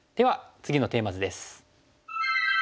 次のテーマ図です。